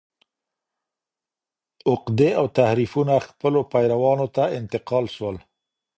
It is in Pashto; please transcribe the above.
عقدې او تحریفونه خپلو پیروانو ته انتقال سول.